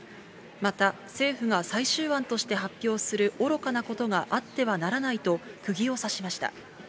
また、政府が最終案として発表する愚かなことがあってはならないと、くぎをさしました。